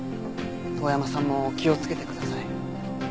遠山さんも気をつけてください。